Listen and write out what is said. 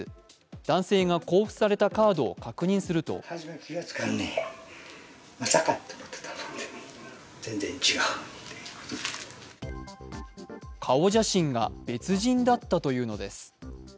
男性が交付されたカードを確認すると顔写真が別人だったというのです。